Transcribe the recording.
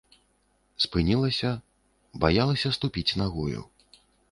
Спынілася, баялася ступіць нагою.